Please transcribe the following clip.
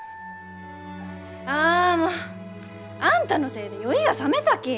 あもうあんたのせいで酔いがさめたき！